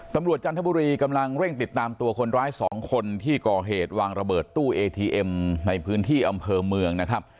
จันทบุรีกำลังเร่งติดตามตัวคนร้ายสองคนที่ก่อเหตุวางระเบิดตู้เอทีเอ็มในพื้นที่อำเภอเมืองนะครับ